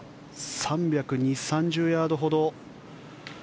３２０３３０ヤードほど。